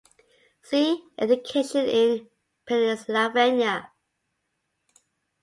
See: Education in Pennsylvania.